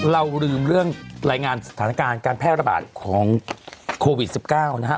เราลืมเรื่องรายงานสถานการณ์การแพร่ระบาดของโควิด๑๙นะฮะ